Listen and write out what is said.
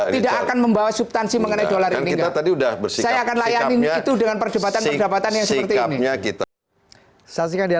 tidak akan membawa subtansi mengenai dollar ini